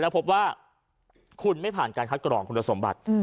พบว่าคุณไม่ผ่านการคัดกรองคุณสมบัติ